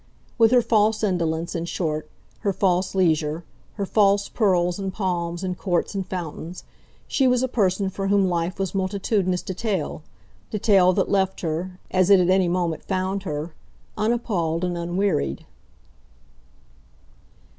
With her false indolence, in short, her false leisure, her false pearls and palms and courts and fountains, she was a person for whom life was multitudinous detail, detail that left her, as it at any moment found her, unappalled and unwearied.